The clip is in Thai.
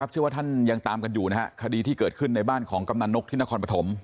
เชื่อว่าท่านยังตามกันอยู่นะฮะคดีที่เกิดขึ้นในบ้านของกำนันนกที่นครปฐม